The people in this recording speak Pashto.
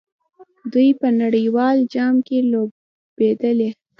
دوی په نړیوال جام کې لوبېدلي.